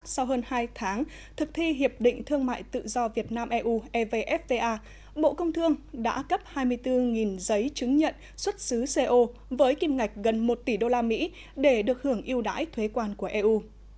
sau hơn hai tháng thực thi hiệp định thương mại tự do việt nam eu evfta bộ công thương đã cấp hai mươi bốn giấy chứng nhận xuất xứ co với kim ngạch gần một tỷ usd để được hưởng yêu đãi thuế quan của eu